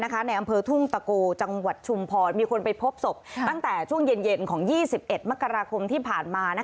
ในอำเภอทุ่งตะโกจังหวัดชุมพรมีคนไปพบศพตั้งแต่ช่วงเย็นของ๒๑มกราคมที่ผ่านมา